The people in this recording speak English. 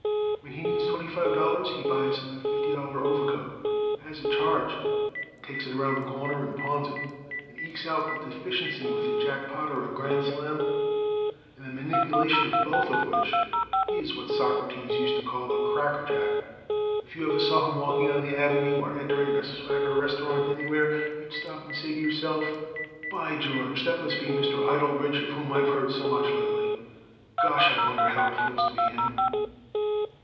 When he needs twenty five dollars he buys a fifty dollar overcoat, has it charged, and takes it around the corner and pawns it, and ekes out the deficiency with a jackpot or a grand slam, in the manipulation of both of which he is what Socrates used to call a cracker jack. If you ever saw him walking on the avenue, or entering a swagger restaurant anywhere, you'd stop and say to yourself, 'By George! That must be Mr. Idle Rich, of whom I have heard so much lately. Gosh! I wonder how it feels to be him!'"